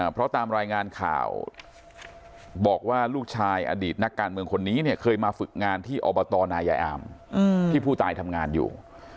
เพราะตามรายงานข่าวบอกว่าลูกชายอดีตนักการเมืองคนนี้เนี่ยเคยมาฝึกงานที่อบตนายายอามที่ผู้ตายทำงานอยู่